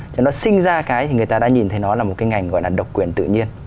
cho nó sinh ra cái thì người ta đã nhìn thấy nó là một cái ngành gọi là độc quyền tự nhiên